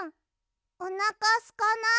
おなかすかない？